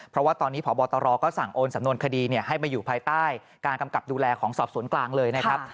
เพราะว่าตอนนี้พบตรก็สั่งโอนสำนวนคดีให้มาอยู่ภายใต้การกำกับดูแลของสอบสวนกลางเลยนะครับ